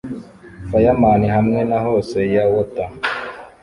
Fireman hamwe na hose ya water